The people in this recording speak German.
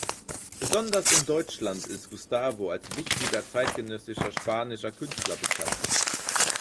Besonders in Deutschland ist Gustavo als wichtiger zeitgenössischer spanischer Künstler bekannt.